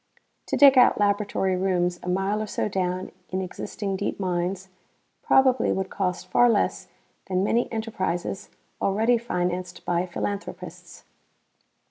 To dig out laboratory rooms a mile or so down in existing deep mines probably would cost far less than many enterprises already financed by philanthropists.